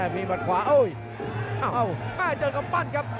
มีมาดขวาอ้าวมักเจอกับตั้้นครับ